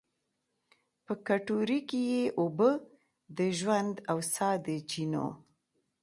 په کټورې کې یې اوبه، د ژوند او سا د چېنو